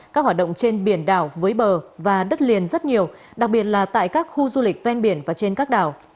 các hoạt động trên biển đảo với bờ và đất liền rất nhiều đặc biệt là tại các khu du lịch ven biển và trên các đảo